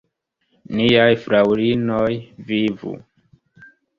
Niaj fraŭlinoj vivu!